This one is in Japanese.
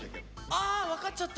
あ分かっちゃった！